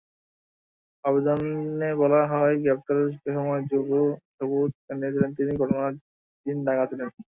আবেদনে বলা হয়, গ্রেপ্তারের সময় সবুজ জানিয়েছিলেন তিনি ঘটনার দিন ঢাকা ছিলেন।